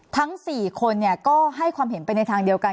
ทั้ง๔คนก็ให้ความเห็นไปในทางเดียวกัน